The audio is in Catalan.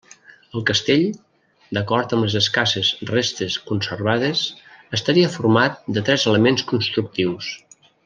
El castell, d'acord amb les escasses restes conservades, estaria format de tres elements constructius.